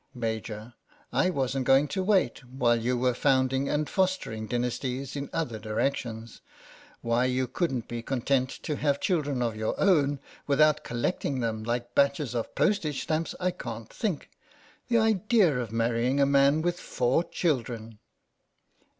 Maj. : I wasn't going to wait while you were founding and fostering dynasties in other directions. Why you couldn't be con tent to have children of your own, without collecting them like batches of postage stamps I can't think. The idea of marrying a man with four children